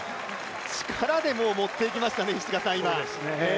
力で持っていきましたね、今。